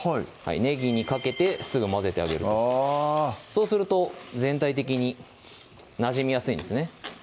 ねぎにかけてすぐ混ぜてあげるあそうすると全体的になじみやすいんですね